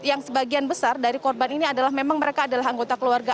yang sebagian besar dari korban ini adalah memang mereka adalah anggota keluarga